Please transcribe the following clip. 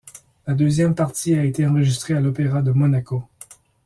La deuxième partie a été enregistrée à l'Opéra de Monaco.